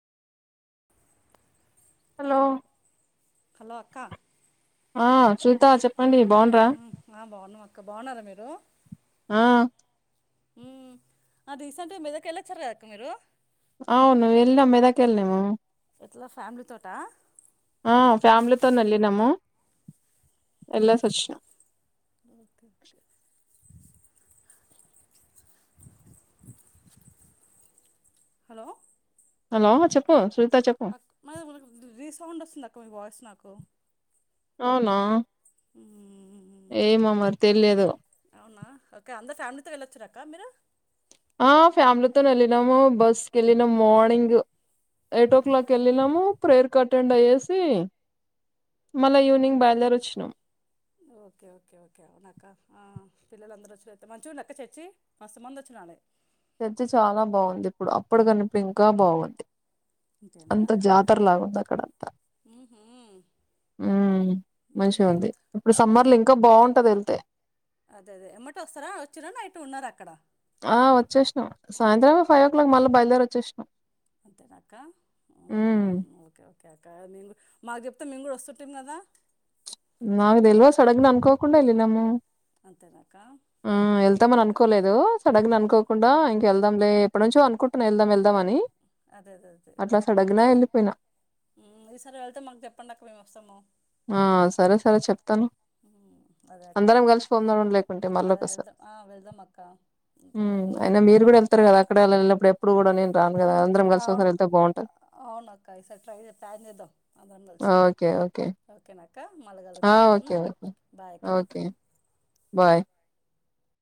Hello hello అక్క ఆ చరిత చెప్పండి బాగుండ్రా బాగున్నాం అక్క బాగున్నారా మీరు ఆ ఉమ్ అ రీసెంట్ మెదక్ వెళ్ళొచ్చారు కదా అక్క మీరు అవును వెళ్ళాం మెదక్ వెళ్ళాము ఎట్లా ఫ్యామిలీ తోటా ఆ ఫ్యామిలీతోని వెళ్ళినాము ఎల్లేసి వచ్చిన ఓకే ఓకే హలో హలో చెప్ప శ్రు అక్ [unintelligible] రీసౌండ్ వస్తుంది అక్క మీ వాయిస్ నాకు అవునా ఏమో మరి తెలియదు త్త వెళ్ళొచ్చరా అక్క మీరు ఆ ఫ్యామిలీతో వెళ్ళినాము బస్కెళ్ళినాము మార్నింగ్ ఎయిటో క్లాక్ వెళ్ళినాము ప్రేయర్ అటెండ్ అయ్యేసి మళ్ళ ఈవినింగ్ బైల్ధేరి వచ్చినాం పిల్లలందరు వచ్చినతే మంచిగా ఉందా అక్క చేర్చి మస్తు మంది వచ్చినాలే చేర్చి చాలా బాగుంది ఇప్పుడు అప్పడు కనిపి ఇంకా బాగుంది అంతేనా అంత జాతరలాగుంది అక్కడంతా మ్మ్హ్మ్. ఉమ్ మంచిగా మ్మ్హ్మ్. ఉంది ఇప్పుడు అంతే సమ్మర్లో ఇంకా బాగుంటది వెళ్తే అదే అదే ఎమ్మటె వస్తారా వచ్చారా నైట్ ఉన్నారా అక్కడ ఆ వచ్చేసినాం సాయంత్రమే ఫైవ్ ఓ క్లాక్ మళ్ళీ బయలుదేరి వచ్చేసినాం అంతేనా అక్క హ్మ్ ఉమ్ ఒకే కేకా మేము కూడా మాకు చెప్తే మేము కూడా వస్తుంటిం కదా మాకు తెల్వద్ సడెన్గానే అనుకోకుండానే వెళ్ళినాము అంతేనక్క ఆ ఉమ్, వెళ్తామని ఓకే అనుకోలేదు సడన్ గా అనుకో కుండా ఇంకెళ్దాం లే ఎప్పుడు నుంచో అనుకుంటన్నా వెదాం వెదామని అట్లా సడగ్గా వెళ్ళిపోయినా ఈ సారి వెళ్తే మాకు చెప్పండి అక్క మేము వస్తాము ఆ సరే సరే చెప్తాను ఉమ్, అదే అక్కడ అందరం కలిసి పొందడం లేకుంటే అదే మళ్ళకసారి వెళ్దాం ఆ, వెళ్దాం అక్క అంతే. ఉమ్, అయినా మీరు కూడా వెళ్తారు కదా అక్కడ వెళ్ళినప్పుడు ఎప్పుడు కూడా నేను రాను కద అందరం కలిసి ఒసారి వెళ్తే బాగుంటది అవునాక్క ఈ సార్ ట్రై చే ప్యాన్ చేద్దాం అందరం కలిసి ఓకే ఓకే ఓకేనా అక్క క్క మళ్ళీ ఆ కలుద్దాం ఓకే ఉమ్ ఓకే బాయ్ అక్క ఓకే బాయ్